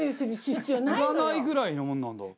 いらないぐらいのものなんだ。